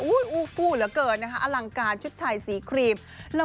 อู๊ฟูละเกินนะคะอลังการชุดไถ่สีครีป